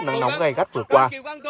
nắng nóng gây gắt vừa qua